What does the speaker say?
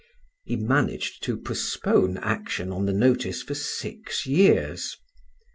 He managed to postpone action on the notice for six years.